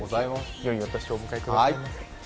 よいお年をお迎えください。